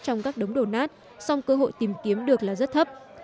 trong các đống đổ nát song cơ hội tìm kiếm được là rất thấp